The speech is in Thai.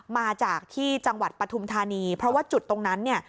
มาจากที่จังหวัดปฐุมธานีเพราะว่าจุดตรงนั้นเนี่ย